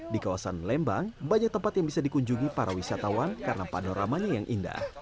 di kawasan lembang banyak tempat yang bisa dikunjungi para wisatawan karena panoramanya yang indah